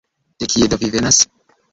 De kie do vi venas?